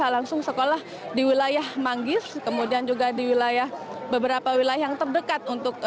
langsung sekolah di wilayah manggis kemudian juga di wilayah beberapa wilayah yang terdekat untuk